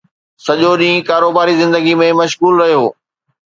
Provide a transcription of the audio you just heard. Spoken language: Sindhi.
سڄو ڏينهن ڪاروباري زندگيءَ ۾ مشغول رهيو